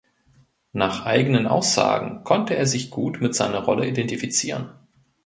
Nach eigenen Aussagen konnte er sich gut mit seiner Rolle identifizieren.